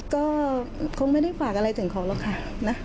ก็คงไม่ได้ฝากอะไรถึงเขาหรอกค่ะนะ